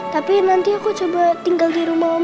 tapi nanti aku coba tinggal di rumah